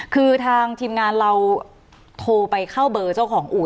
คือทางทีมงานเราโทรไปเข้าเบอร์เจ้าของอู่